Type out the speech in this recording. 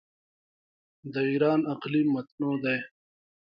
د ایران اقلیم متنوع دی.